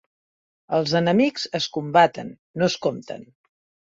Els enemics es combaten, no es compten.